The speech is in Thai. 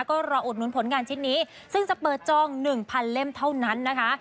ก็รออุดหนุนผลงานชิ้นนี้ซึ่งจะเปิดจอง๑๐๐เล่มเท่านั้นนะคะ